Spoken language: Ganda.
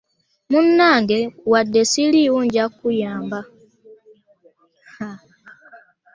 Munnange wadde ssiriiwo nja kukuyamba.